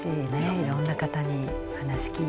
いろんな方に話聞いて。